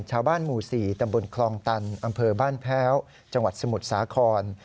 ชาวบ้านหมู่๔ตำบลคลองตันอำเภอบ้านแพ้วจังหวัดสมุทรสาคร